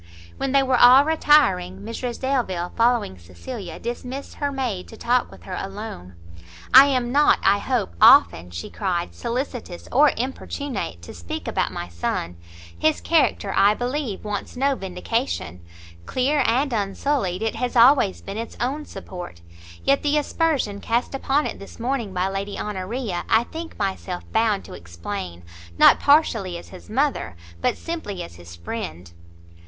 When they were all retiring, Mrs Delvile, following Cecilia, dismissed her maid to talk with her alone. "I am not, I hope, often," she cried, "solicitous or importunate to speak about my son; his character, I believe, wants no vindication; clear and unsullied, it has always been its own support; yet the aspersion cast upon it this morning by Lady Honoria, I think myself bound to explain, not partially as his mother, but simply as his friend."